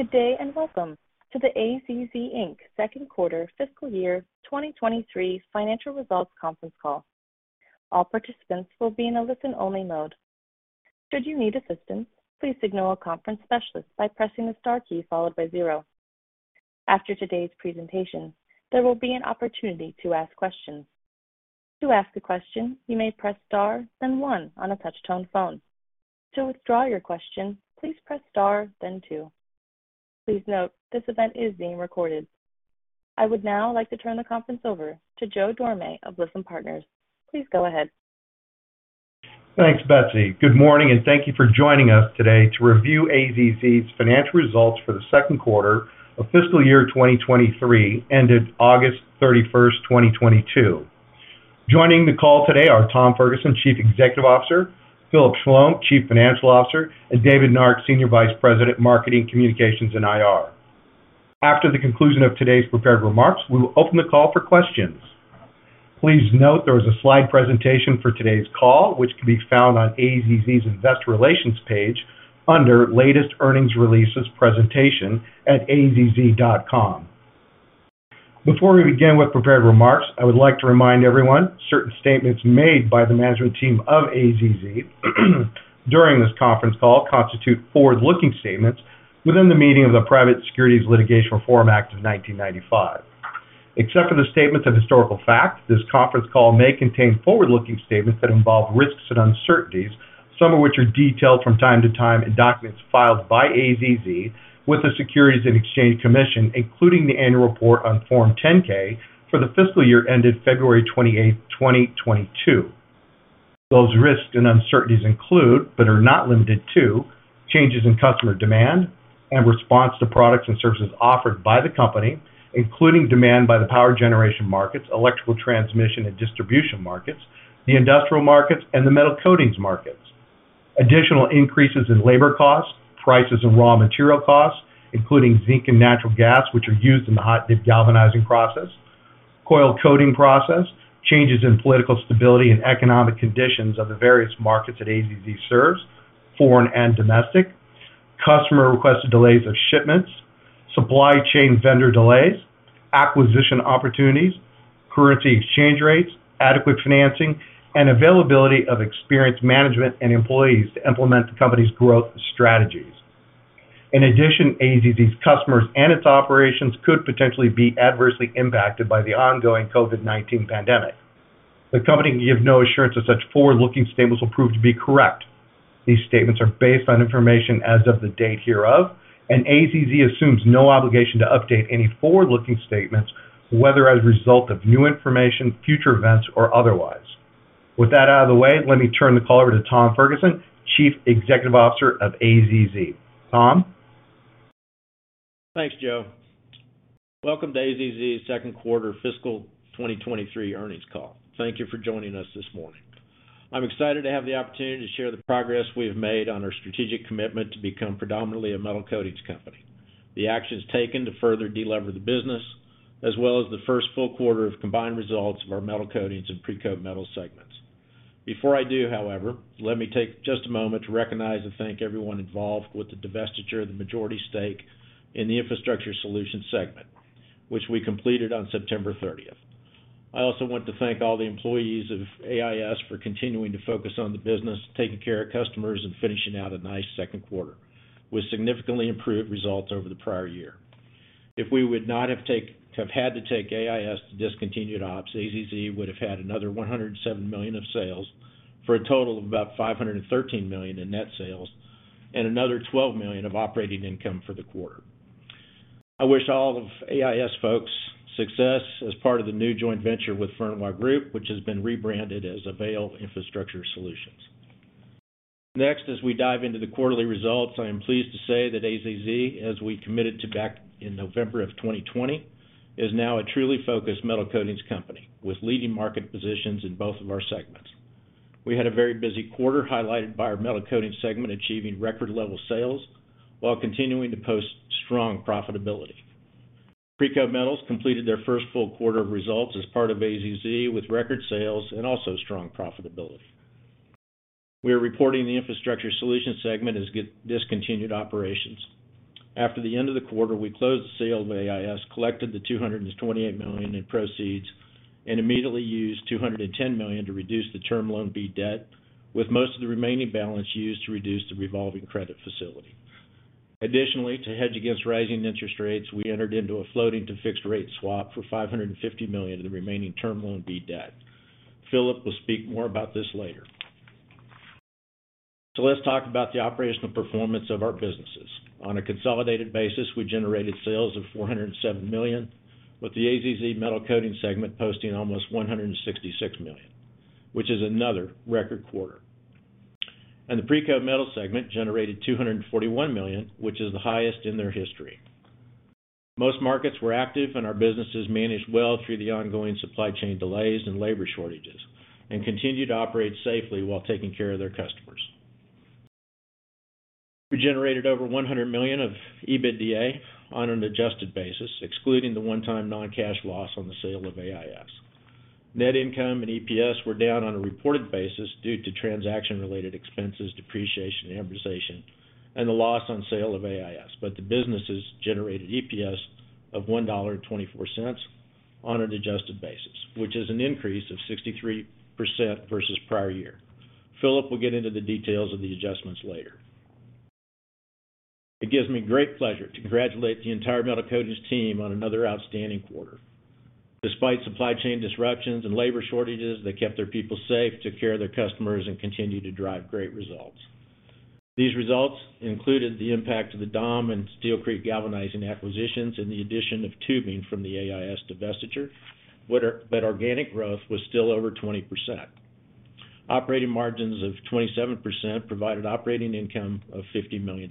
Good day, and welcome to the AZZ Inc. Q2 fiscal year 2023 financial results conference call. All participants will be in a listen-only mode. Should you need assistance, please signal a conference specialist by pressing the star key followed by zero. After today's presentation, there will be an opportunity to ask questions. To ask a question, you may press star, then one on a touch-tone phone. To withdraw your question, please press star, then two. Please note, this event is being recorded. I would now like to turn the conference over to Joe Dorame of Lytham Partners. Please go ahead. Thanks, Betsy. Good morning, and thank you for joining us today to review AZZ's financial results for the Q2 of fiscal year 2023, ended August 31, 2022. Joining the call today are Tom Ferguson, Chief Executive Officer, Philip Schlom, Chief Financial Officer, and David Nark, Senior Vice President, Marketing, Communications, and IR. After the conclusion of today's prepared remarks, we will open the call for questions. Please note there is a slide presentation for today's call, which can be found on AZZ's Investor Relations page under Latest Earnings Releases Presentation at azz.com. Before we begin with prepared remarks, I would like to remind everyone, certain statements made by the management team of AZZ during this conference call constitute forward-looking statements within the meaning of the Private Securities Litigation Reform Act of 1995. Except for the statements of historical fact, this conference call may contain forward-looking statements that involve risks and uncertainties, some of which are detailed from time to time in documents filed by AZZ with the Securities and Exchange Commission, including the annual report on Form 10-K for the fiscal year ended February 28th, 2022. Those risks and uncertainties include, but are not limited to, changes in customer demand and response to products and services offered by the company, including demand by the power generation markets, electrical transmission and distribution markets, the industrial markets, and the metal coatings markets. Additional increases in labor costs, prices and raw material costs, including zinc and natural gas, which are used in the hot-dip galvanizing process, coil coating process, changes in political stability and economic conditions of the various markets that AZZ serves, foreign and domestic, customer-requested delays of shipments, supply chain vendor delays, acquisition opportunities, currency exchange rates, adequate financing, and availability of experienced management and employees to implement the company's growth strategies. In addition, AZZ's customers and its operations could potentially be adversely impacted by the ongoing COVID-19 pandemic. The company give no assurance that such forward-looking statements will prove to be correct. These statements are based on information as of the date hereof, and AZZ assumes no obligation to update any forward-looking statements, whether as a result of new information, future events, or otherwise. With that out of the way, let me turn the call over to Tom Ferguson, Chief Executive Officer of AZZ. Tom? Thanks, Joe. Welcome to AZZ Q2 fiscal 2023 earnings call. Thank you for joining us this morning. I'm excited to have the opportunity to share the progress we have made on our strategic commitment to become predominantly a metal coatings company. The actions taken to further delever the business, as well as the first full quarter of combined results of our metal coatings and Precoat Metals segments. Before I do, however, let me take just a moment to recognize and thank everyone involved with the divestiture of the majority stake in the Infrastructure Solutions segment, which we completed on September 30. I also want to thank all the employees of AIS for continuing to focus on the business, taking care of customers, and finishing out a nice Q2 with significantly improved results over the prior year. If we would not have had to take AIS to discontinued ops, AZZ would have had another $107 million of sales for a total of about $513 million in net sales and another $12 million of operating income for the quarter. I wish all of AIS folks success as part of the new joint venture with Fernweh Group, which has been rebranded as Avail Infrastructure Solutions. Next, as we dive into the quarterly results, I am pleased to say that AZZ, as we committed to back in November of 2020, is now a truly focused metal coatings company with leading market positions in both of our segments. We had a very busy quarter, highlighted by our metal coatings segment achieving record level sales while continuing to post strong profitability. Precoat Metals completed their first full quarter of results as part of AZZ with record sales and also strong profitability. We are reporting the Infrastructure Solutions segment as discontinued operations. After the end of the quarter, we closed the sale of AIS, collected the $228 million in proceeds, and immediately used $210 million to reduce the Term Loan B debt, with most of the remaining balance used to reduce the revolving credit facility. Additionally, to hedge against rising interest rates, we entered into a floating to fixed rate swap for $550 million of the remaining Term Loan B debt. Philip will speak more about this later. Let's talk about the operational performance of our businesses. On a consolidated basis, we generated sales of $407 million, with the AZZ Metal Coatings segment posting almost $166 million, which is another record quarter. The Precoat Metals segment generated $241 million, which is the highest in their history. Most markets were active, and our businesses managed well through the ongoing supply chain delays and labor shortages and continued to operate safely while taking care of their customers. We generated over $100 million of EBITDA on an adjusted basis, excluding the one-time non-cash loss on the sale of AIS. Net income and EPS were down on a reported basis due to transaction-related expenses, depreciation, amortization, and the loss on sale of AIS, but the businesses generated EPS of $1.24 on an adjusted basis, which is an increase of 63% versus prior year. Philip will get into the details of the adjustments later. It gives me great pleasure to congratulate the entire Metal Coatings team on another outstanding quarter. Despite supply chain disruptions and labor shortages, they kept their people safe, took care of their customers, and continued to drive great results. These results included the impact of the DAAM and Steel Creek Galvanizing acquisitions and the addition of tubing from the AIS divestiture. Organic growth was still over 20%. Operating margins of 27% provided operating income of $50 million,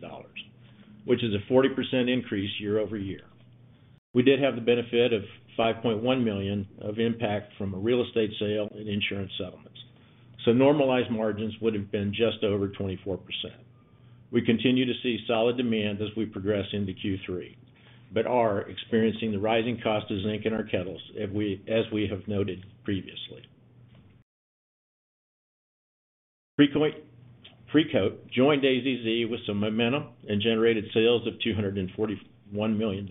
which is a 40% increase year-over-year. We did have the benefit of $5.1 million of impact from a real estate sale and insurance settlements, so normalized margins would have been just over 24%. We continue to see solid demand as we progress into Q3, but are experiencing the rising cost of zinc in our kettles as we have noted previously. Precoat joined AZZ with some momentum and generated sales of $241 million.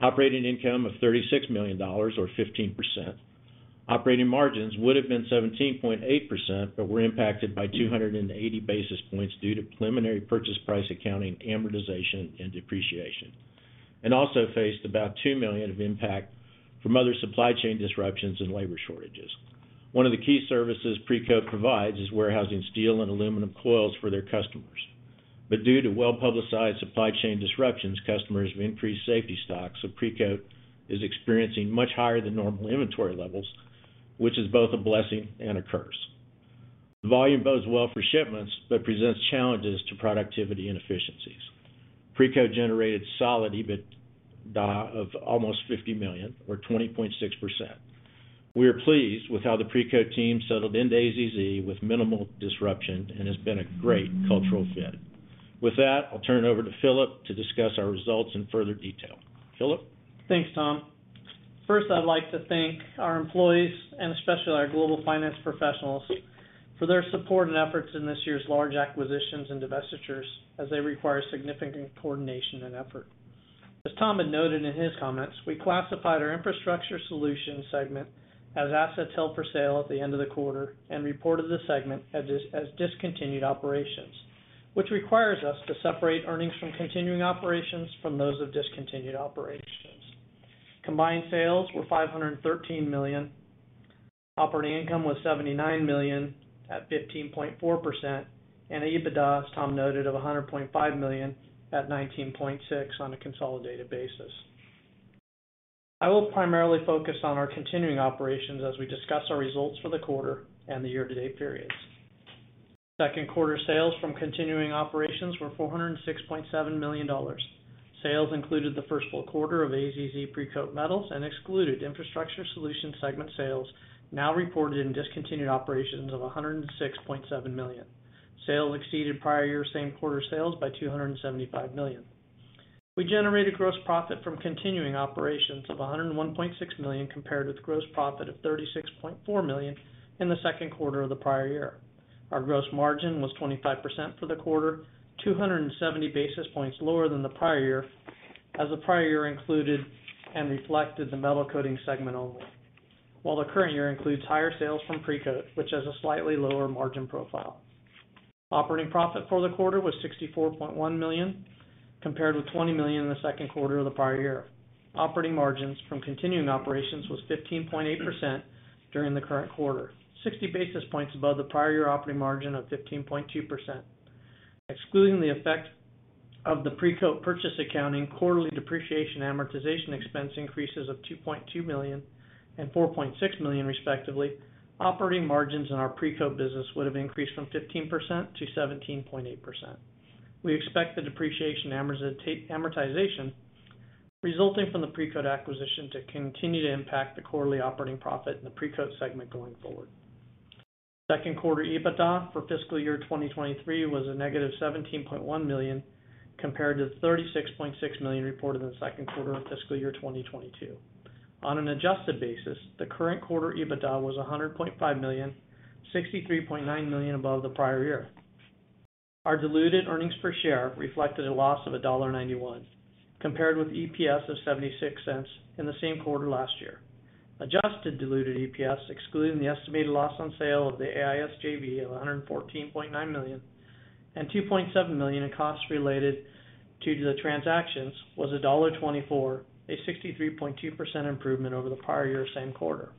Operating income of $36 million or 15%. Operating margins would have been 17.8% but were impacted by 280 basis points due to preliminary purchase price accounting, amortization, and depreciation, and also faced about $2 million of impact from other supply chain disruptions and labor shortages. One of the key services Precoat provides is warehousing steel and aluminum coils for their customers. Due to well-publicized supply chain disruptions, customers have increased safety stocks, so Precoat is experiencing much higher than normal inventory levels, which is both a blessing and a curse. The volume bodes well for shipments, but presents challenges to productivity and efficiencies. Precoat generated solid EBITDA of almost $50 million or 20.6%. We are pleased with how the Precoat team settled into AZZ with minimal disruption and has been a great cultural fit. With that, I'll turn it over to Philip to discuss our results in further detail. Philip? Thanks, Tom. First, I'd like to thank our employees and especially our global finance professionals for their support and efforts in this year's large acquisitions and divestitures as they require significant coordination and effort. As Tom had noted in his comments, we classified our Infrastructure Solutions segment as assets held for sale at the end of the quarter and reported the segment as discontinued operations, which requires us to separate earnings from continuing operations from those of discontinued operations. Combined sales were $513 million. Operating income was $79 million at 15.4%, and the EBITDA, as Tom noted, of $100.5 million at 19.6% on a consolidated basis. I will primarily focus on our continuing operations as we discuss our results for the quarter and the year-to-date periods. Q2 sales from continuing operations were $406.7 million. Sales included the first full quarter of AZZ Precoat Metals and excluded Infrastructure Solutions segment sales now reported in discontinued operations of $106.7 million. Sales exceeded prior year same quarter sales by $275 million. We generated gross profit from continuing operations of $101.6 million compared with gross profit of $36.4 million in the Q2 of the prior year. Our gross margin was 25% for the quarter, 270 basis points lower than the prior year, as the prior year included and reflected the Metal Coatings segment only. While the current year includes higher sales from Precoat, which has a slightly lower margin profile. Operating profit for the quarter was $64.1 million, compared with $20 million in the Q2 of the prior year. Operating margins from continuing operations was 15.8% during the current quarter, 60 basis points above the prior year operating margin of 15.2%. Excluding the effect of the Precoat purchase accounting, quarterly depreciation amortization expense increases of $2.2 million and $4.6 million, respectively, operating margins in our Precoat business would have increased from 15% to 17.8%. We expect the depreciation amortization resulting from the Precoat acquisition to continue to impact the quarterly operating profit in the Precoat segment going forward. Q2 EBITDA for fiscal year 2023 was a negative $17.1 million, compared to $36.6 million reported in the Q2 of fiscal year 2022. On an adjusted basis, the current quarter EBITDA was $100.5 million, $63.9 million above the prior year. Our diluted earnings per share reflected a loss of $1.91, compared with EPS of $0.76 in the same quarter last year. Adjusted diluted EPS, excluding the estimated loss on sale of the AIS JV of $114.9 million and $2.7 million in costs related to the transactions was $1.24, a 63.2% improvement over the prior year same quarter.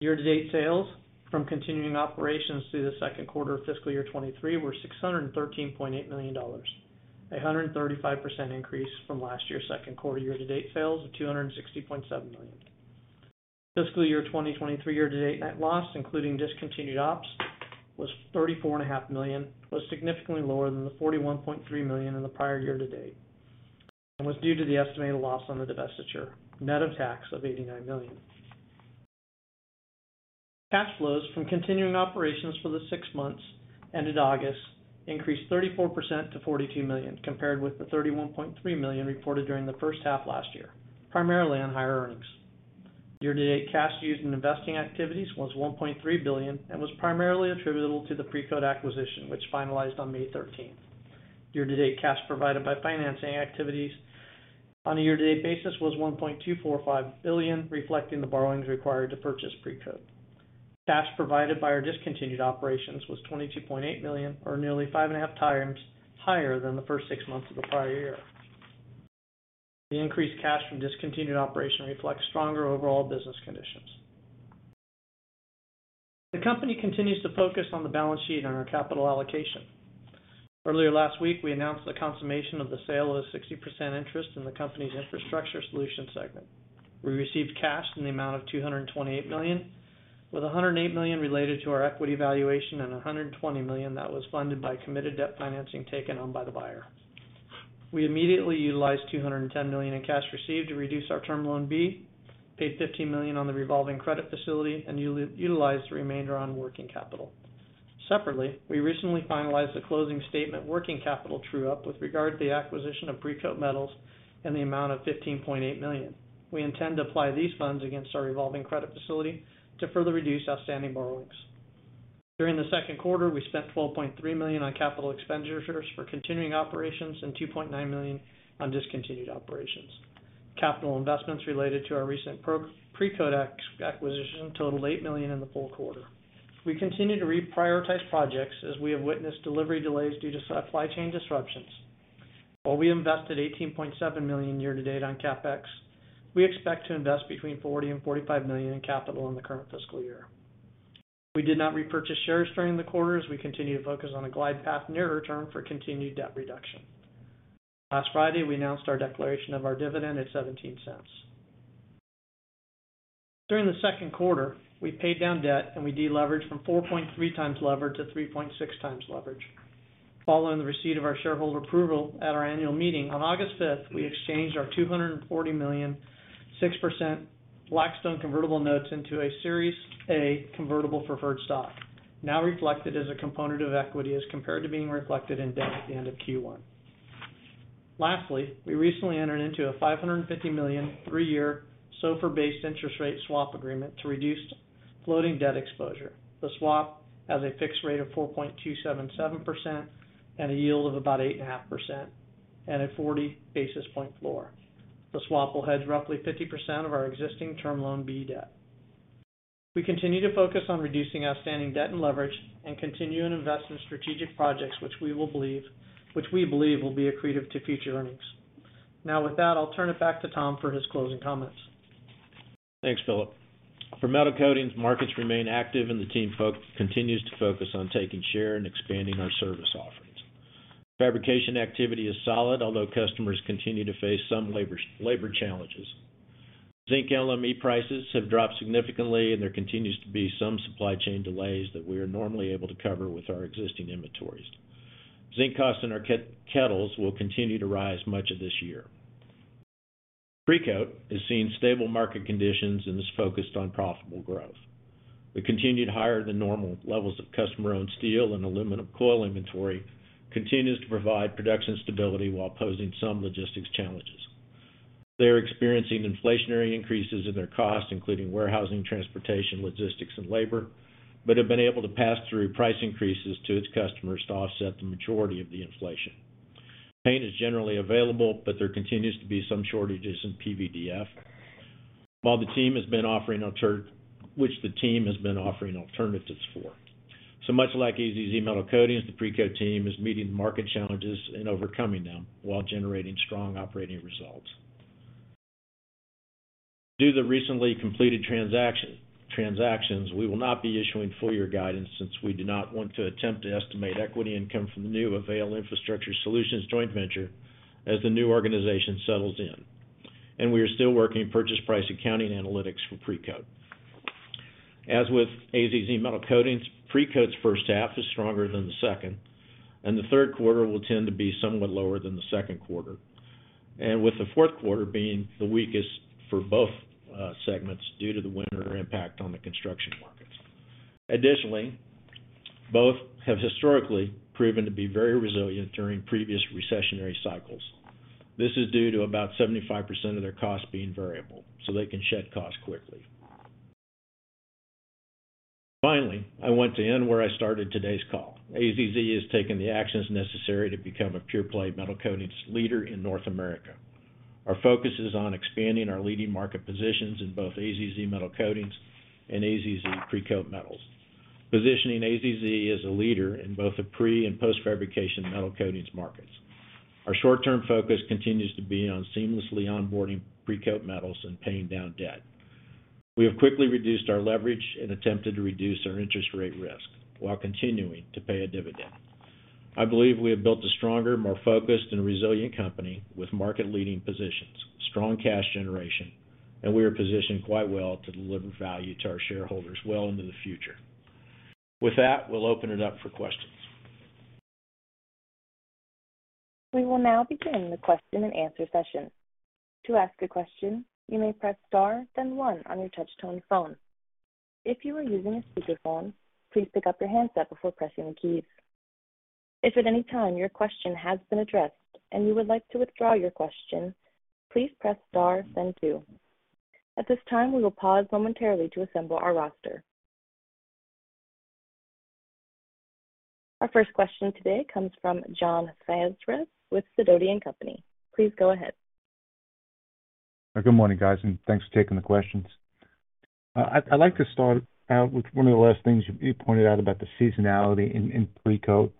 Year-to-date sales from continuing operations through the Q2 of fiscal year 2023 were $613.8 million, a 135% increase from last year's Q2 year-to-date sales of $260.7 million. Fiscal year 2023 year-to-date net loss, including discontinued ops, was $34 and a half million, was significantly lower than the $41.3 million in the prior year-to-date, and was due to the estimated loss on the divestiture, net of tax of $89 million. Cash flows from continuing operations for the six months ended August increased 34% to $42 million, compared with the $31.3 million reported during the first half last year, primarily on higher earnings. Year-to-date cash used in investing activities was $1.3 billion, and was primarily attributable to the Precoat acquisition, which finalized on May 13. Year-to-date cash provided by financing activities on a year-to-date basis was $1.245 billion, reflecting the borrowings required to purchase Precoat. Cash provided by our discontinued operations was $22.8 million, or nearly 5.5 times higher than the first six months of the prior year. The increased cash from discontinued operations reflects stronger overall business conditions. The company continues to focus on the balance sheet on our capital allocation. Earlier last week, we announced the consummation of the sale of a 60% interest in the company's Infrastructure Solutions segment. We received cash in the amount of $228 million, with $108 million related to our equity valuation and $120 million that was funded by committed debt financing taken on by the buyer. We immediately utilized $210 million in cash received to reduce our Term Loan B, paid $15 million on the revolving credit facility, and utilized the remainder on working capital. Separately, we recently finalized the closing statement working capital true-up with regard to the acquisition of Precoat Metals in the amount of $15.8 million. We intend to apply these funds against our revolving credit facility to further reduce outstanding borrowings. During the Q2, we spent $12.3 million on capital expenditures for continuing operations and $2.9 million on discontinued operations. Capital investments related to our recent Precoat acquisition totaled $8 million in the full quarter. We continue to reprioritize projects as we have witnessed delivery delays due to supply chain disruptions. While we invested $18.7 million year-to-date on CapEx, we expect to invest between $40 million and $45 million in capital in the current fiscal year. We did not repurchase shares during the quarter as we continue to focus on a glide path nearer term for continued debt reduction. Last Friday, we announced our declaration of our dividend at $0.17. During the Q2, we paid down debt and we deleveraged from 4.3x leverage to 3.6x leverage. Following the receipt of our shareholder approval at our annual meeting on August 5th, we exchanged our $240 million 6% Blackstone convertible notes into a Series A convertible preferred stock, now reflected as a component of equity as compared to being reflected in debt at the end of Q1. Lastly, we recently entered into a $550 million 3-year SOFR-based interest rate swap agreement to reduce floating debt exposure. The swap has a fixed rate of 4.277% and a yield of about 8.5% at a 40 basis point floor. The swap will hedge roughly 50% of our existing Term Loan B debt. We continue to focus on reducing outstanding debt and leverage, and continue to invest in strategic projects which we believe will be accretive to future earnings. Now with that, I'll turn it back to Tom for his closing comments. Thanks, Philip. For metal coatings, markets remain active and the team continues to focus on taking share and expanding our service offerings. Fabrication activity is solid, although customers continue to face some labor challenges. Zinc LME prices have dropped significantly, and there continues to be some supply chain delays that we are normally able to cover with our existing inventories. Zinc costs in our kettles will continue to rise much of this year. Precoat is seeing stable market conditions and is focused on profitable growth. The continued higher than normal levels of customer-owned steel and aluminum coil inventory continues to provide production stability while posing some logistics challenges. They're experiencing inflationary increases in their costs, including warehousing, transportation, logistics, and labor, but have been able to pass through price increases to its customers to offset the majority of the inflation. Paint is generally available, but there continues to be some shortages in PVDF, while the team has been offering alternatives for. Much like AZZ Metal Coatings, the Precoat team is meeting the market challenges and overcoming them while generating strong operating results. Due to the recently completed transactions, we will not be issuing full year guidance since we do not want to attempt to estimate equity income from the new Avail Infrastructure Solutions joint venture as the new organization settles in, and we are still working purchase price accounting analytics for Precoat. As with AZZ Metal Coatings, Precoat's first half is stronger than the second, and the Q3 will tend to be somewhat lower than the Q2. With the Q4 being the weakest for both segments due to the winter impact on the construction markets. Additionally, both have historically proven to be very resilient during previous recessionary cycles. This is due to about 75% of their costs being variable, so they can shed costs quickly. Finally, I want to end where I started today's call. AZZ has taken the actions necessary to become a pure-play metal coatings leader in North America. Our focus is on expanding our leading market positions in both AZZ Metal Coatings and AZZ Precoat Metals, positioning AZZ as a leader in both the pre- and post-fabrication metal coatings markets. Our short-term focus continues to be on seamlessly onboarding Precoat Metals and paying down debt. We have quickly reduced our leverage and attempted to reduce our interest rate risk while continuing to pay a dividend. I believe we have built a stronger, more focused and resilient company with market-leading positions, strong cash generation, and we are positioned quite well to deliver value to our shareholders well into the future. With that, we'll open it up for questions. We will now begin the question-and-answer session. To ask a question, you may press * then 1 on your touch-tone phone. If you are using a speakerphone, please pick up your handset before pressing the keys. If at any time your question has been addressed and you would like to withdraw your question, please press * then 2. At this time, we will pause momentarily to assemble our roster. Our first question today comes from John Franzreb with Sidoti & Company. Please go ahead. Good morning, guys, and thanks for taking the questions. I'd like to start out with one of the last things you pointed out about the seasonality in Precoat.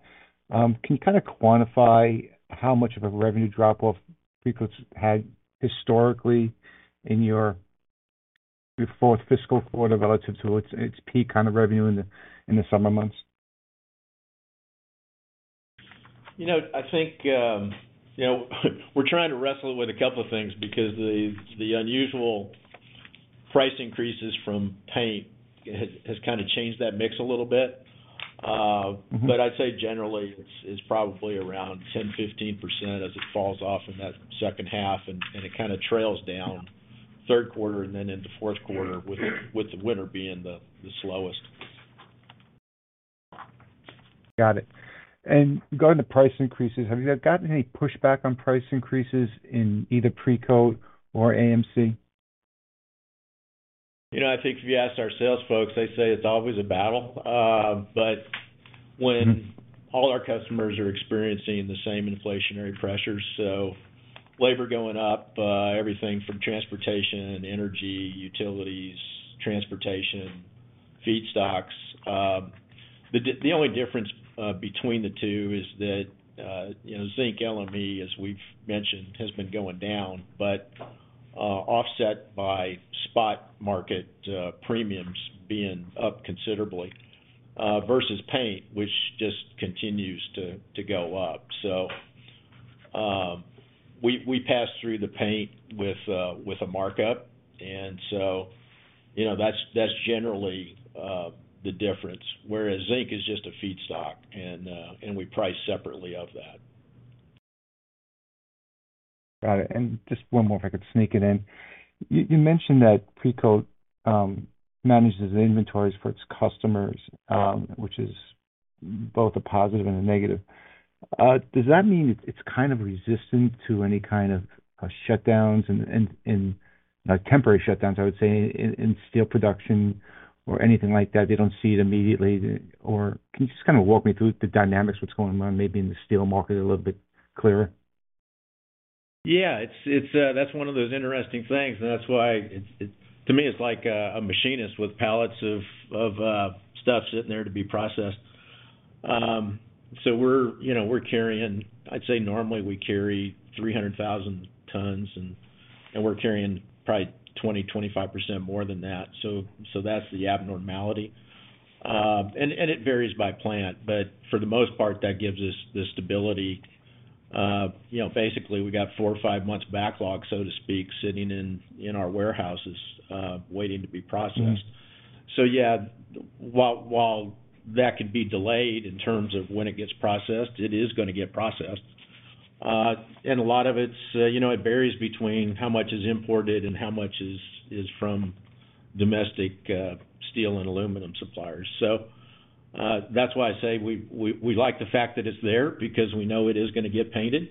Can you kind of quantify how much of a revenue drop-off Precoat's had historically in your fourth fiscal quarter relative to its peak kind of revenue in the summer months? You know, I think, you know, we're trying to wrestle with a couple of things because the unusual price increases from paint has kind of changed that mix a little bit. I'd say generally it's probably around 10%-15% as it falls off in that second half, and it kind of trails down Q3 and then into Q4 with the winter being the slowest. Got it. Regarding the price increases, have you gotten any pushback on price increases in either Precoat or AMC? You know, I think if you ask our sales folks, they say it's always a battle. When all our customers are experiencing the same inflationary pressures, labor going up, everything from transportation, energy, utilities, transportation, feedstocks. The only difference between the two is that, you know, zinc LME, as we've mentioned, has been going down, but offset by spot market premiums being up considerably versus paint, which just continues to go up. We pass through the paint with a markup. You know, that's generally the difference, whereas zinc is just a feedstock, and we price separately of that. Got it. Just one more, if I could sneak it in. You mentioned that Precoat manages inventories for its customers. Yeah. Which is both a positive and a negative. Does that mean it's kind of resistant to any kind of shutdowns and temporary shutdowns, I would say, in steel production or anything like that? They don't see it immediately. Or can you just kind of walk me through the dynamics, what's going on maybe in the steel market a little bit clearer? Yeah. It's one of those interesting things. That's why, to me, it's like a machinist with pallets of stuff sitting there to be processed. We're, you know, carrying. I'd say normally we carry 300,000 tons, and we're carrying probably 20-25% more than that. That's the abnormality. It varies by plant, but for the most part, that gives us the stability of, you know, basically we got four or five months backlog, so to speak, sitting in our warehouses waiting to be processed. Yeah, while that could be delayed in terms of when it gets processed, it is gonna get processed. A lot of it's, you know, it varies between how much is imported and how much is from domestic steel and aluminum suppliers. That's why I say we like the fact that it's there because we know it is gonna get painted,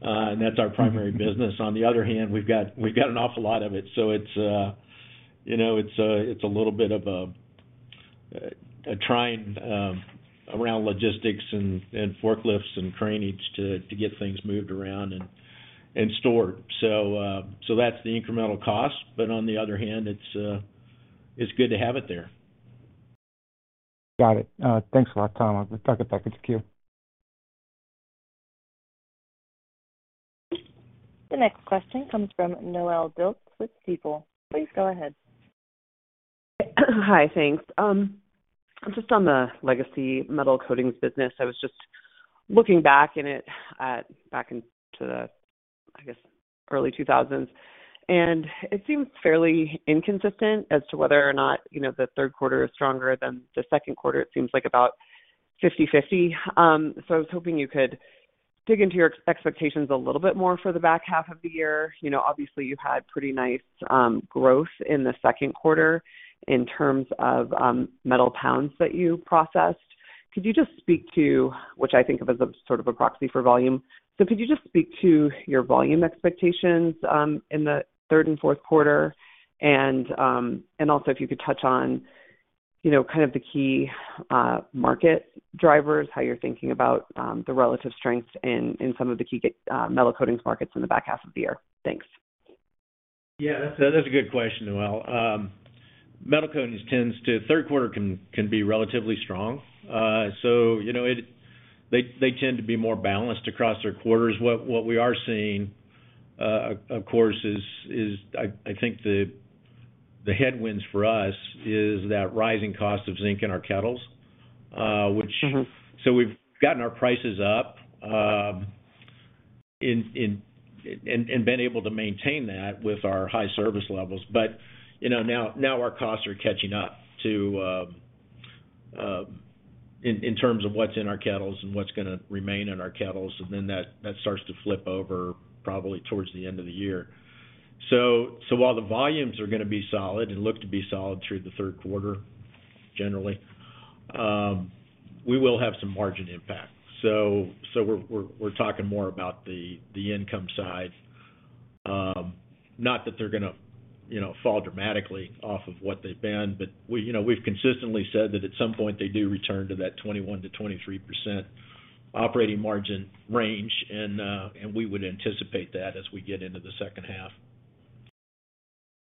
and that's our primary business. On the other hand, we've got an awful lot of it. It's you know, it's a little bit of a trying around logistics and forklifts and craneage to get things moved around and stored. That's the incremental cost. On the other hand, it's good to have it there. Got it. Thanks a lot, Tom. I'll tuck it back into queue. The next question comes from Noelle Dilts with Stifel. Please go ahead. Hi. Thanks. Just on the legacy metal coatings business. I was just looking back into the, I guess, early 2000, and it seems fairly inconsistent as to whether or not, you know, the Q3 is stronger than the Q2. It seems like about 50/50. I was hoping you could dig into your expectations a little bit more for the back half of the year. You know, obviously, you had pretty nice growth in the Q2 in terms of metal pounds that you processed. Could you just speak to, which I think of as a sort of a proxy for volume. Could you just speak to your volume expectations in the third and Q4? Also, if you could touch on, you know, kind of the key market drivers, how you're thinking about the relative strengths in some of the key metal coatings markets in the back half of the year? Thanks. Yeah. That's a good question, Noelle. Metal Coatings Q3 can be relatively strong. You know, they tend to be more balanced across their quarters. What we are seeing, of course, is I think the headwinds for us is that rising cost of zinc in our kettles. We've gotten our prices up and been able to maintain that with our high service levels. You know, now our costs are catching up to, in terms of what's in our kettles and what's gonna remain in our kettles, and then that starts to flip over probably towards the end of the year. While the volumes are gonna be solid and look to be solid through the Q3, generally, we will have some margin impact. We're talking more about the income side. Not that they're gonna, you know, fall dramatically off of what they've been, but we, you know, we've consistently said that at some point, they do return to that 21%-23% operating margin range and we would anticipate that as we get into the second half.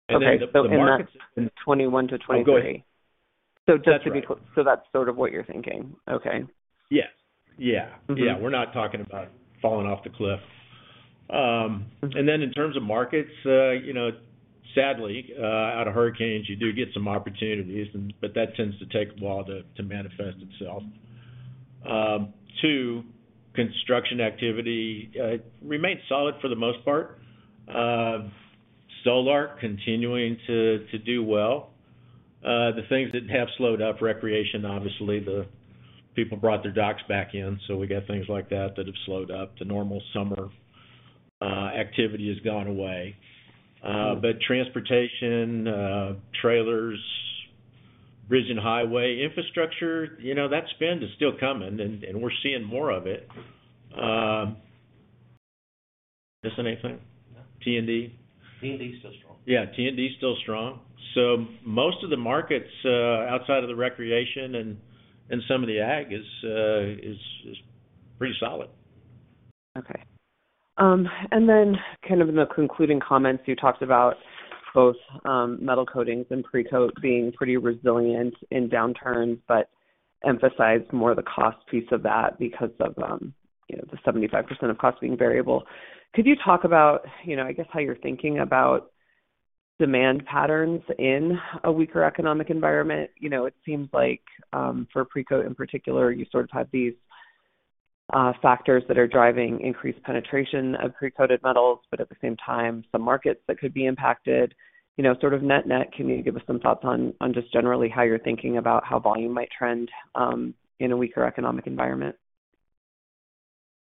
Then the market- That's the 2021-2023. Oh, go ahead. Just to be clear. That's right. That's sort of what you're thinking. Okay. Yeah. We're not talking about falling off the cliff. Then in terms of markets, you know, sadly, out of hurricanes, you do get some opportunities, but that tends to take a while to manifest itself. Too, construction activity remains solid for the most part. Solar continuing to do well. The things that have slowed up, recreation, obviously. The people brought their docks back in, so we got things like that have slowed up. The normal summer activity has gone away. But transportation, trailers, bridge and highway infrastructure, you know, that spend is still coming and we're seeing more of it. Missing anything? No. T&D? T&D is still strong. Yeah, T&D is still strong. Most of the markets, outside of the recreation and some of the ag is pretty solid. Okay. Kind of in the concluding comments, you talked about both metal coatings and Precoat being pretty resilient in downturns, but emphasized more the cost piece of that because of you know, the 75% of cost being variable. Could you talk about, you know, I guess, how you're thinking about demand patterns in a weaker economic environment? You know, it seems like for Precoat in particular, you sort of have these factors that are driving increased penetration of pre-coated metals, but at the same time, some markets that could be impacted. You know, sort of net-net, can you give us some thoughts on just generally how you're thinking about how volume might trend in a weaker economic environment?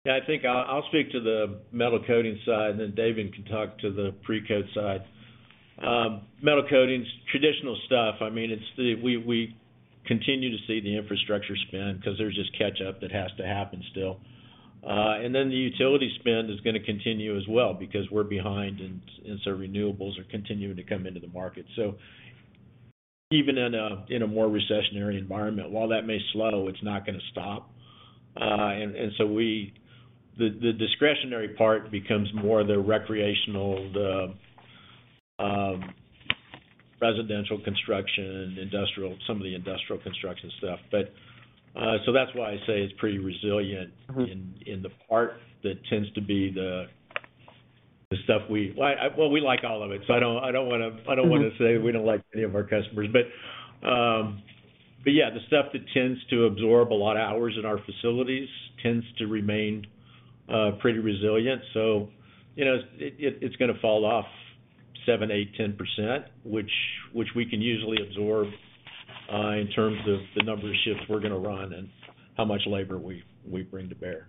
Yeah. I think I'll speak to the metal coatings side, and then David can talk to the Precoat side. Metal coatings, traditional stuff. I mean, we continue to see the infrastructure spend 'cause there's just catch-up that has to happen still. Then the utility spend is gonna continue as well because we're behind and so renewables are continuing to come into the market. Even in a more recessionary environment, while that may slow, it's not gonna stop. The discretionary part becomes more the recreational, the residential construction, industrial, some of the industrial construction stuff. That's why I say it's pretty resilient.in the part that tends to be the stuff. Well, we like all of it, so I don't wanna say. We don't lose any of our customers. Yeah, the stuff that tends to absorb a lot of hours in our facilities tends to remain pretty resilient. You know, it's gonna fall off 7%-10%, which we can usually absorb in terms of the number of shifts we're gonna run and how much labor we bring to bear.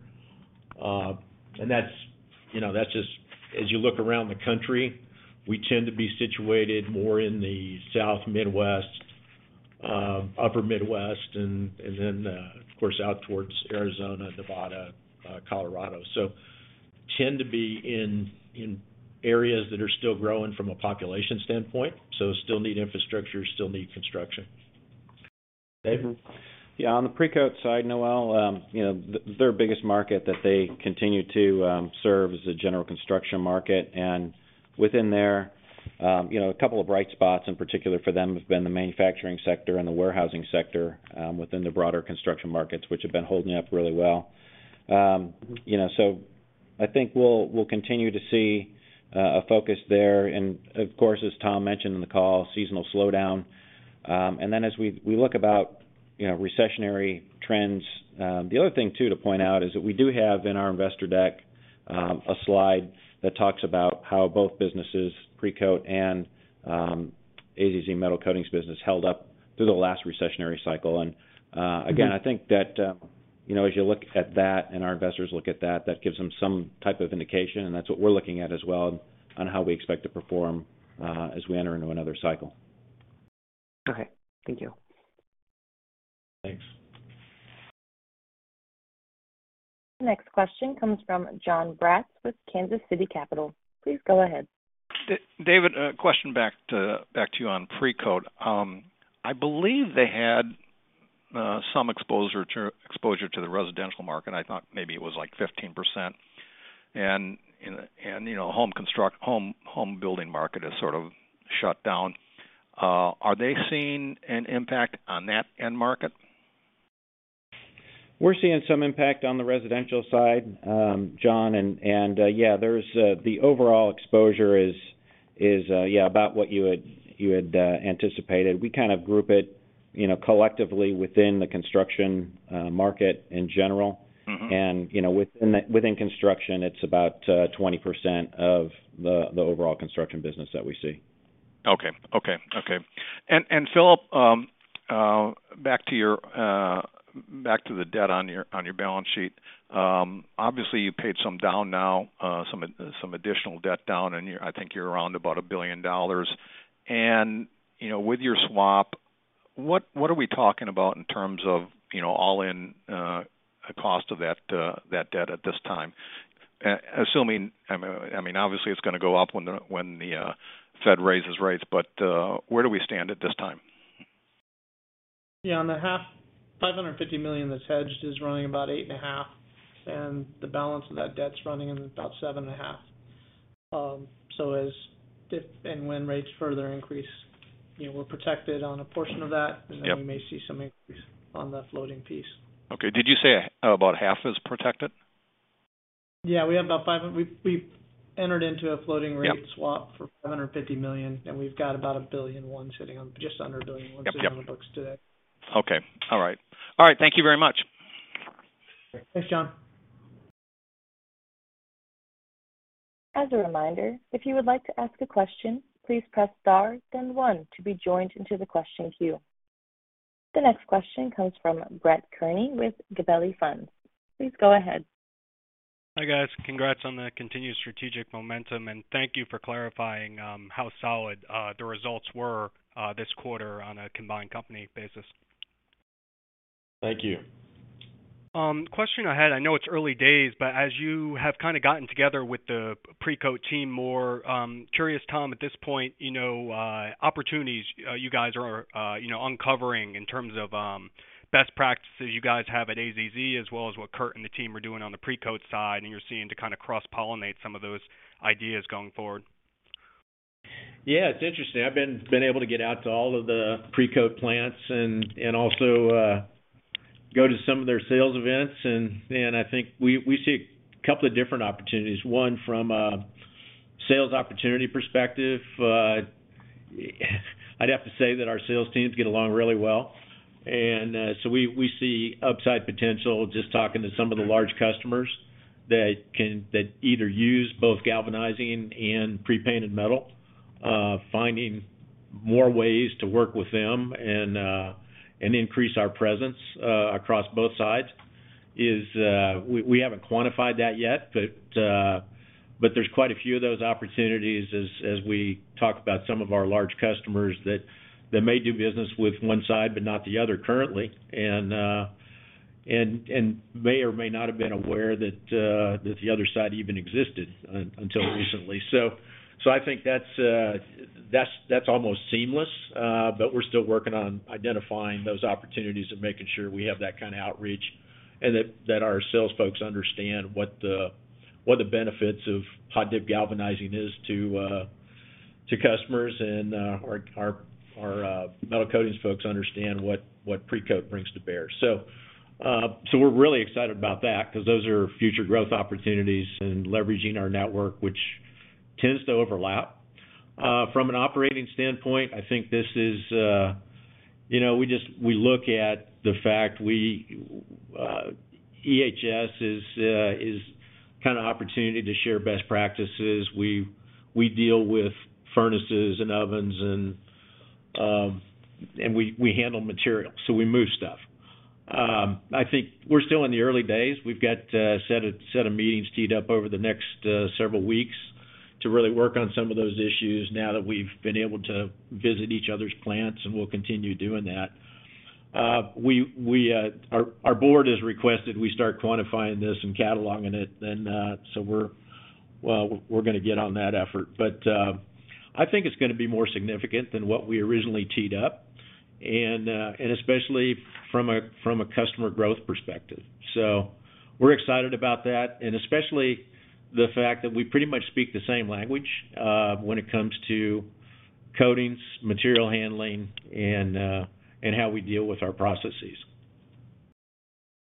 That's just as you look around the country. We tend to be situated more in the South, Midwest, Upper Midwest and then of course out towards Arizona, Nevada, Colorado. We tend to be in areas that are still growing from a population standpoint, so still need infrastructure, still need construction. David?. Yeah. On the Precoat side, Noelle, you know, their biggest market that they continue to serve is the general construction market. Within there, you know, a couple of bright spots in particular for them have been the manufacturing sector and the warehousing sector within the broader construction markets, which have been holding up really well. You know, so I think we'll continue to see a focus there. Of course, as Tom mentioned in the call, seasonal slowdown. Then as we look about, you know, recessionary trends, the other thing too to point out is that we do have in our investor deck a slide that talks about how both businesses, Precoat and AZZ Metal Coatings' business held up through the last recessionary cycle. I think that, you know, as you look at that and our investors look at that gives them some type of indication, and that's what we're looking at as well on how we expect to perform, as we enter into another cycle. Okay. Thank you. Thanks. Next question comes from Jonathan Braatz with Kansas City Capital. Please go ahead. David, a question back to you on Precoat. I believe they had some exposure to the residential market. I thought maybe it was, like, 15%. You know, home building market has sort of shut down. Are they seeing an impact on that end market? We're seeing some impact on the residential side, John, and yeah, there's the overall exposure is yeah about what you had anticipated. We kind of group it, you know, collectively within the construction market in general. You know, within construction, it's about 20% of the overall construction business that we see. Okay. Philip, back to the debt on your balance sheet. Obviously, you paid some down now, some additional debt down, and I think you're around about $1 billion. You know, with your swap, what are we talking about in terms of, you know, all in cost of that debt at this time? Assuming, I mean, obviously it's gonna go up when the Fed rAISes rates, but where do we stand at this time? Yeah. On the half, $550 million that's hedged is running about 8.5%, and the balance of that debt's running in about 7.5%. If and when rates further increase, you know, we're protected on a portion of that. We may see some increase on the floating piece. Okay. Did you say about half is protected? Yeah. We've entered into a floating rate. Swap for $550 million, and we've got about $1.001 billion sitting on just under $1.001 billion sitting on the books today Okay. All right, thank you very much. Thanks, John. As a reminder, if you would like to ask a question, please press * then 1 to be joined into the question queue. The next question comes from Brett Kearney with Gabelli Funds. Please go ahead. Hi, guys. Congrats on the continued strategic momentum, and thank you for clarifying how solid the results were this quarter on a combined company basis. Thank you. Question I had, I know it's early days, but as you have kinda gotten together with the Precoat team more, curious, Tom, at this point, you know, opportunities you guys are you know uncovering in terms of best practices you guys have at AZZ, as well as what Kurt and the team are doing on the Precoat side, and you're seeing to kinda cross-pollinate some of those ideas going forward. Yeah. It's interesting. I've been able to get out to all of the Precoat plants and also go to some of their sales events. I think we see a couple of different opportunities. One from a sales opportunity perspective. I'd have to say that our sales teams get along really well. We see upside potential just talking to some of the large customers that either use both galvanizing and pre-painted metal, finding more ways to work with them and increase our presence across both sides. We haven't quantified that yet, but there's quite a few of those opportunities as we talk about some of our large customers that may do business with one side but not the other currently. May or may not have been aware that the other side even existed until recently. I think that's almost seamless. We're still working on identifying those opportunities and making sure we have that kind of outreach. That our sales folks understand what the benefits of hot-dip galvanizing is to customers. Our metal coatings folks understand what Precoat brings to bear. We're really excited about that 'cause those are future growth opportunities and leveraging our network, which tends to overlap. From an operating standpoint, I think this is, you know, we look at the fact we EHS is kind of opportunity to share best practices. We deal with furnaces and ovens and we handle materials, so we move stuff. I think we're still in the early days. We've got a set of meetings teed up over the next several weeks to really work on some of those issues now that we've been able to visit each other's plants, and we'll continue doing that. Our board has requested we start quantifying this and cataloging it then, so well, we're gonna get on that effort. I think it's gonna be more significant than what we originally teed up, and especially from a customer growth perspective. We're excited about that, and especially the fact that we pretty much speak the same language when it comes to coatings, material handling, and how we deal with our processes.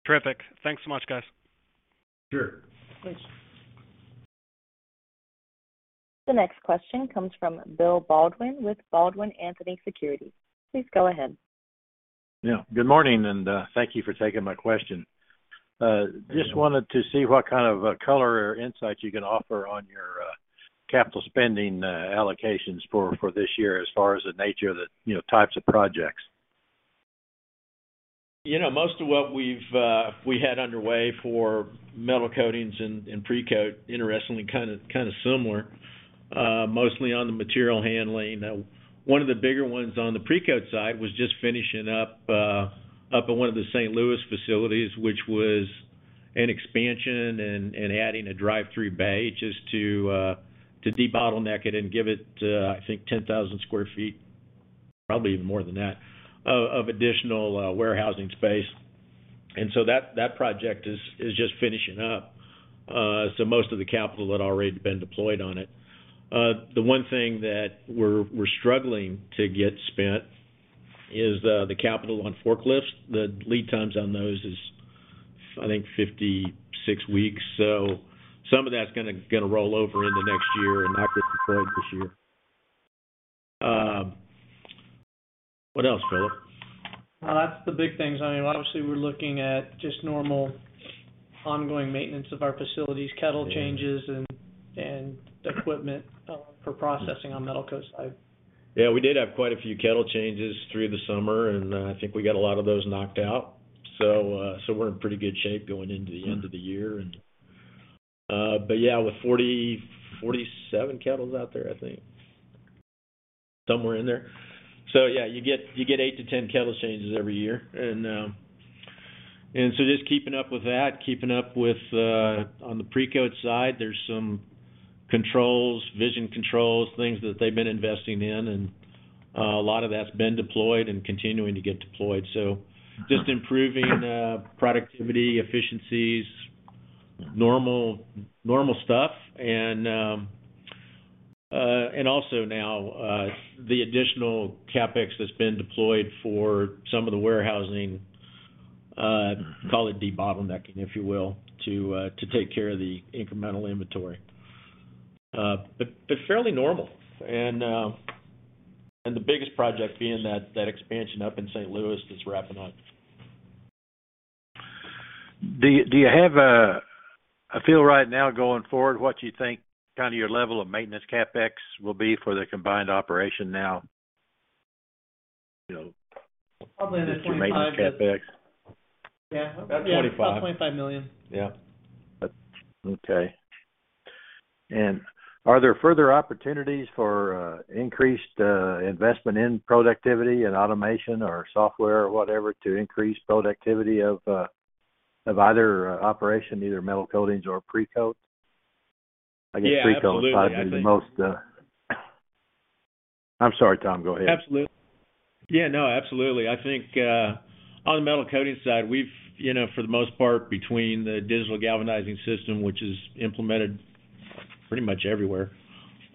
Terrific. Thanks so much, guys. Sure. Thanks. The next question comes from Bill Baldwin with Baldwin Anthony Securities. Please go ahead. Yeah, good morning, and thank you for taking my question. Just wanted to see what kind of color or insights you can offer on your capital spending allocations for this year as far as the nature of the, you know, types of projects. You know, most of what we had underway for metal coatings and Precoat, interestingly kind of similar, mostly on the material handling. One of the bigger ones on the Precoat side was just finishing up in one of the St. Louis facilities, which was an expansion and adding a drive-through bay just to debottleneck it and give it, I think 10,000 sq ft, probably even more than that, of additional warehousing space. That project is just finishing up. Most of the capital had already been deployed on it. The one thing that we're struggling to get spent is the capital on forklifts. The lead times on those is, I think 56 weeks. Some of that's gonna roll over into next year and not get deployed this year. What else, Philip? Well, that's the big things. I mean, obviously, we're looking at just normal ongoing maintenance of our facilities, kettle changes. Yeah. Equipment for processing on Metal Coatings side. Yeah, we did have quite a few kettle changes through the summer, and I think we got a lot of those knocked out. We're in pretty good shape going into the end of the year. Yeah, with 40-47 kettles out there, I think. Somewhere in there. Yeah, you get 8-10 kettle changes every year. Just keeping up with that, keeping up with on the Precoat side, there's some controls, vision controls, things that they've been investing in, and a lot of that's been deployed and continuing to get deployed. Just improving productivity, efficiencies, normal stuff. Also now the additional CapEx that's been deployed for some of the warehousing, call it debottlenecking, if you will, to take care of the incremental inventory. Fairly normal. The biggest project being that expansion up in St. Louis that's wrapping up. Do you have a feel right now going forward what you think kind of your level of maintenance CapEx will be for the combined operation now? You know. Probably in the 25- Your maintenance CapEx. Yeah. About $25 million. Yeah. Okay. Are there further opportunities for increased investment in productivity and automation or software or whatever to increase productivity of either operation, either metal coatings or Precoat? Yeah, absolutely. I guess Precoat probably the most. I'm sorry, Tom, go ahead. Absolutely. Yeah, no, absolutely. I think on the metal coatings side, we've you know for the most part between the Digital Galvanizing System, which is implemented pretty much everywhere,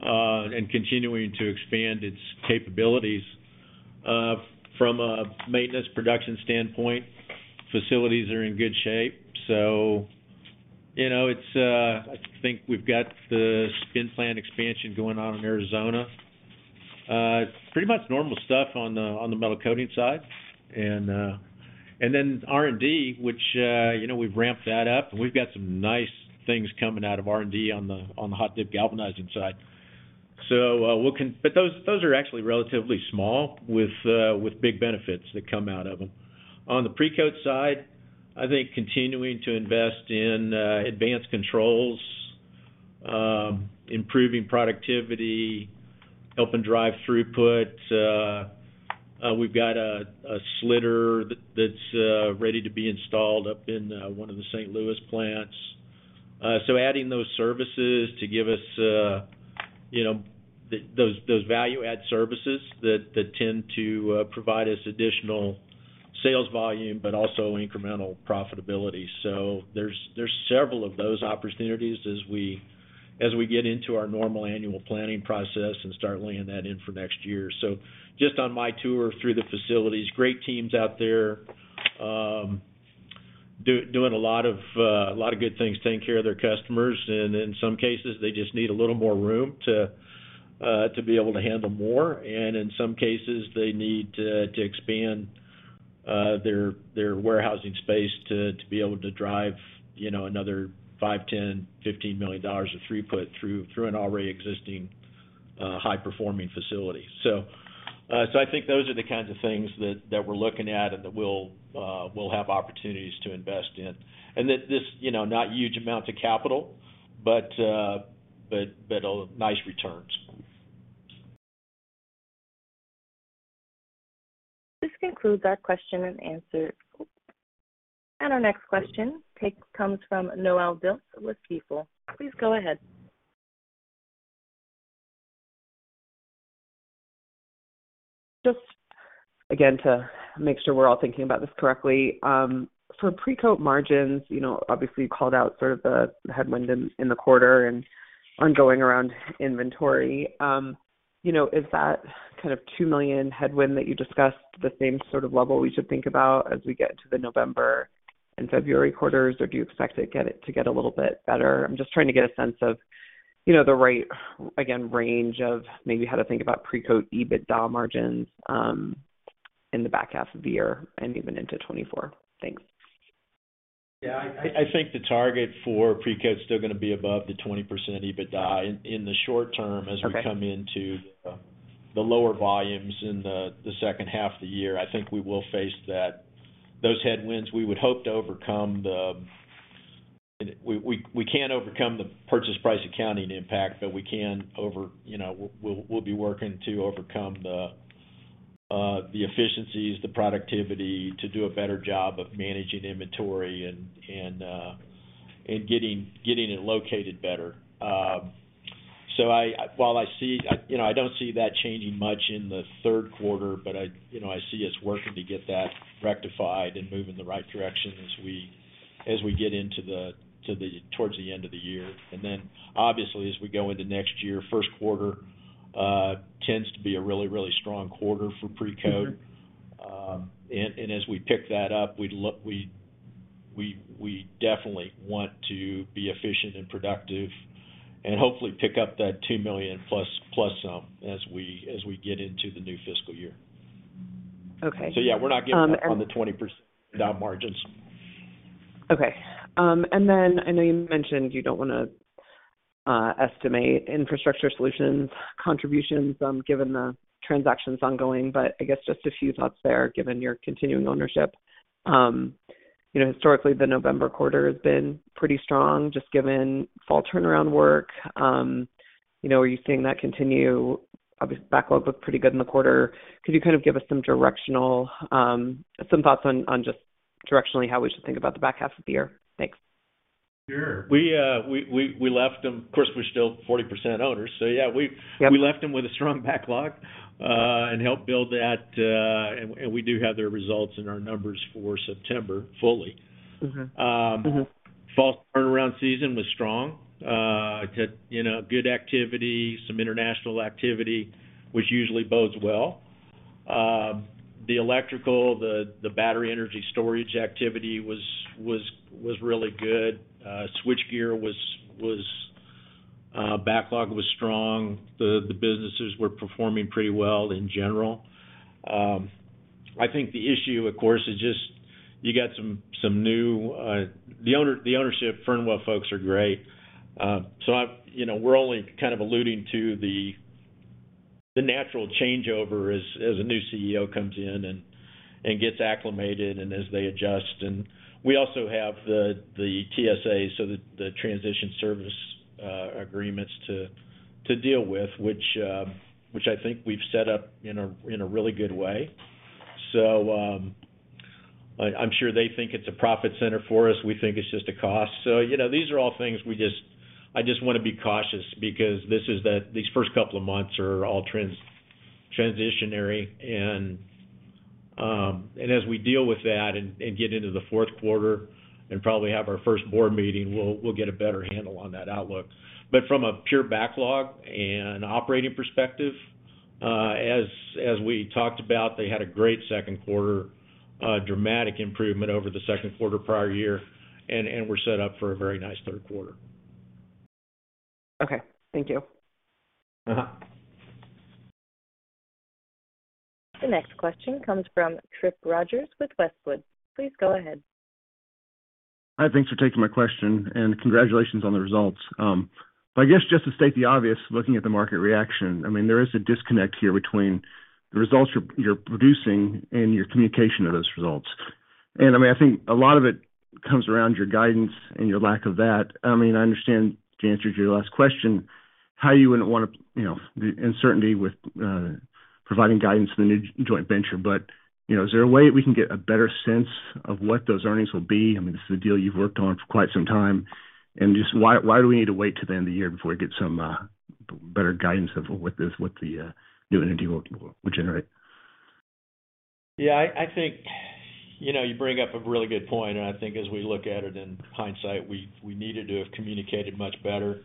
and continuing to expand its capabilities from a maintenance production standpoint, facilities are in good shape. You know it's I think we've got the spin plant expansion going on in Arizona. It's pretty much normal stuff on the metal coating side. Then R&D, which you know we've ramped that up, and we've got some nice things coming out of R&D on the hot-dip galvanizing side. But those are actually relatively small with big benefits that come out of them. On the Precoat side, I think continuing to invest in advanced controls, improving productivity, helping drive throughput. We've got a slitter that's ready to be installed up in one of the St. Louis plants. Adding those services to give us, you know, those value add services that tend to provide us additional sales volume, but also incremental profitability. There's several of those opportunities as we get into our normal annual planning process and start laying that in for next year. Just on my tour through the facilities, great teams out there, doing a lot of good things, taking care of their customers. In some cases, they just need a little more room to be able to handle more. In some cases, they need to expand their warehousing space to be able to drive, you know, another $5 million, $10 million, $15 million of throughput through an already existing high-performing facility. So I think those are the kinds of things that we're looking at and that we'll have opportunities to invest in. This, you know, not huge amounts of capital, but nice returns. This concludes our question and answer. Our next question comes from Noelle Dilts with Stifel. Please go ahead. Just again, to make sure we're all thinking about this correctly. For Precoat margins, you know, obviously, you called out sort of the headwind in the quarter and ongoing around inventory. You know, is that kind of $2 million headwind that you discussed the same sort of level we should think about as we get to the November and February quarters, or do you expect to get a little bit better? I'm just trying to get a sense of, you know, the right, again, range of maybe how to think about Precoat EBITDA margins in the back half of the year and even into 2024. Thanks. Yeah. I think the target for Precoat is still gonna be above the 20% EBITDA in the short term. Okay. As we come into the lower volumes in the second half of the year. I think we will face that. Those headwinds, we would hope to overcome the. We can't overcome the purchase price accounting impact, but we can, you know, we'll be working to overcome the efficiencies, the productivity to do a better job of managing inventory and getting it located better. I while I see, you know, I don't see that changing much in the Q3, but I, you know, I see us working to get that rectified and move in the right direction as we get into towards the end of the year. Obviously, as we go into next year, Q1 tends to be a really, really strong quarter for Precoat. As we pick that up, we definitely want to be efficient and productive and hopefully pick up that $2 million plus some as we get into the new fiscal year. Okay. Yeah, we're not giving up on the 20% EBITDA margins. Okay. I know you mentioned you don't wanna estimate Infrastructure Solutions contributions, given the transactions ongoing, but I guess just a few thoughts there, given your continuing ownership. You know, historically, the November quarter has been pretty strong, just given fall turnaround work. You know, are you seeing that continue? Obviously, backlog looked pretty good in the quarter. Could you kind of give us some directional thoughts on just directionally how we should think about the back half of the year? Thanks. Sure. We left them. Of course, we're still 40% owners, so yeah. We left them with a strong backlog, and helped build that, and we do have their results in our numbers for September fully. Fall turnaround season was strong. Had, you know, good activity, some international activity, which usually bodes well. The electrical, the battery energy storage activity was really good. Switchgear backlog was strong. The businesses were performing pretty well in general. I think the issue, of course, is just you got some new ownership Fernweh folks are great. We're only kind of alluding to the natural changeover as a new CEO comes in and gets acclimated and as they adjust. We also have the TSA, so the transition services agreements to deal with, which I think we've set up in a really good way. I'm sure they think it's a profit center for us. We think it's just a cost. You know, these are all things we just I just wanna be cautious because this is the these first couple of months are all transitional and as we deal with that and get into the Q4 and probably have our first board meeting, we'll get a better handle on that outlook. From a pure backlog and operating perspective, as we talked about, they had a great Q2, a dramatic improvement over the Q2 prior year, and we're set up for a very nice Q3. Okay. Thank you. The next question comes from Trip Rodgers with Westwood. Please go ahead. Hi. Thanks for taking my question, and congratulations on the results. I guess just to state the obvious, looking at the market reaction, I mean, there is a disconnect here between the results you're producing and your communication of those results. I mean, I think a lot of it comes around your guidance and your lack of that. I mean, I understand the answer to your last question, how you wouldn't wanna, you know, the uncertainty with providing guidance to the new joint venture. You know, is there a way we can get a better sense of what those earnings will be? I mean, this is a deal you've worked on for quite some time. Just why do we need to wait till the end of the year before we get some better guidance of what the new entity will generate? Yeah, I think, you know, you bring up a really good point, and I think as we look at it in hindsight, we needed to have communicated much better.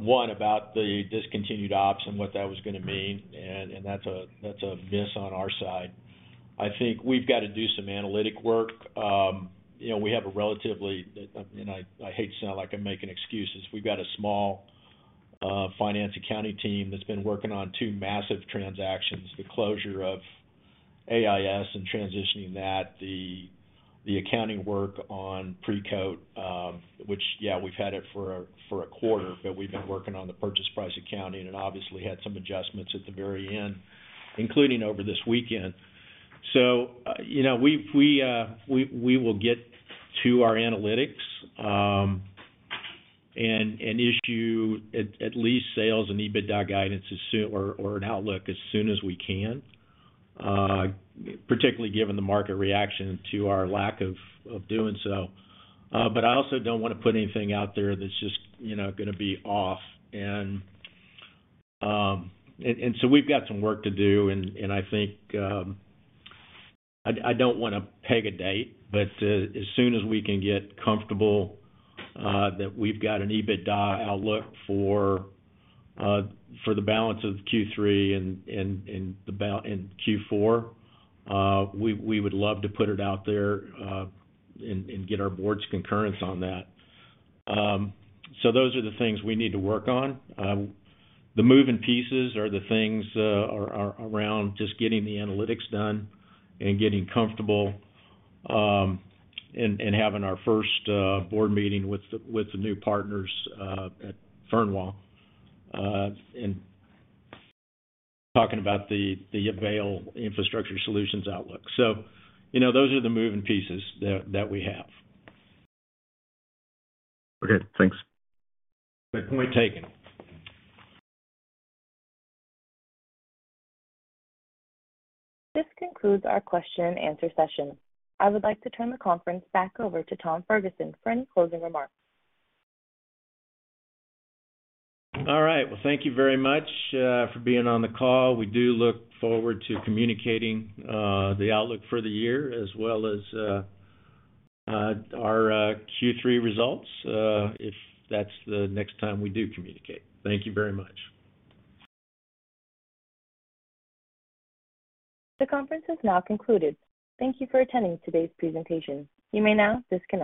One, about the discontinued ops and what that was gonna mean, and that's a miss on our side. I think we've gotta do some analytic work. You know, I hate to sound like I'm making excuses. We've got a small finance & accounting team that's been working on two massive transactions, the closure of AIS and transitioning that, the accounting work on Precoat, which we've had it for a quarter, but we've been working on the purchase price accounting and obviously had some adjustments at the very end, including over this weekend. You know, we will get to our analytics and issue at least sales and EBITDA guidance or an outlook as soon as we can, particularly given the market reaction to our lack of doing so. I also don't wanna put anything out there that's just, you know, gonna be off. We've got some work to do, and I think I don't wanna peg a date, but as soon as we can get comfortable that we've got an EBITDA outlook for the balance of Q3 and Q4, we would love to put it out there and get our board's concurrence on that. Those are the things we need to work on. The moving pieces are the things around just getting the analytics done and getting comfortable, and having our first board meeting with the new partners at Fernweh, and talking about the Avail Infrastructure Solutions outlook. You know, those are the moving pieces that we have. Okay, thanks. Good point taken. This concludes our question and answer session. I would like to turn the conference back over to Tom Ferguson for any closing remarks. All right. Well, thank you very much for being on the call. We do look forward to communicating the outlook for the year as well as our Q3 results if that's the next time we do communicate. Thank you very much. The conference has now concluded. Thank you for attending today's presentation. You may now disconnect.